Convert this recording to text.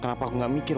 kenapa aku gak mikir